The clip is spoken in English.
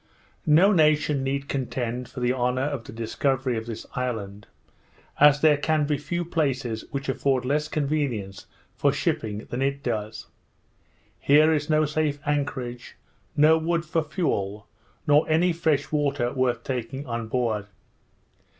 No nation need contend for the honour of the discovery of this island, as there can be few places which afford less convenience for shipping than it does. Here is no safe anchorage, no wood for fuel, nor any fresh water worth taking on board.